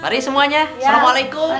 mari semuanya assalamualaikum